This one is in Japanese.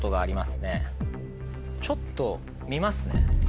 ちょっと見ますね。